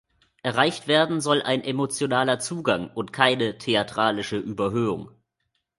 Erreicht werden soll ein emotionaler Zugang und keine „theatralische Überhöhung“.